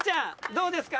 どうですか？